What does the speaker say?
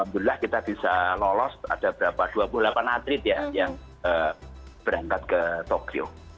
alhamdulillah kita bisa lolos ada berapa dua puluh delapan atlet ya yang berangkat ke tokyo